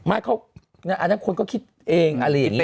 อันนั้นคนก็คิดเองอะไรอย่างนี้